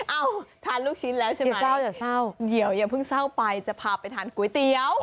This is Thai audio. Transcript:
เอ้าทานลูกชิ้นแล้วใช่ไหมอย่าเศร้าอย่าเศร้าเดี๋ยวอย่าเพิ่งเศร้าไปจะพาไปทานก๋วยเตี๋ยว